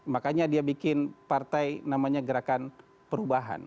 makanya dia bikin partai namanya gerakan perubahan